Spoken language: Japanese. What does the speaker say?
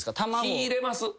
火入れます。